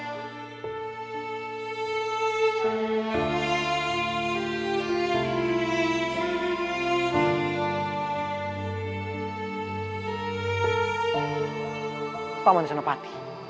apa manusia nepat